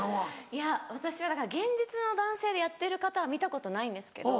いや私はだから現実の男性でやってる方は見たことないんですけど。